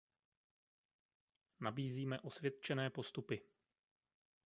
Nabízíme osvědčené postupy.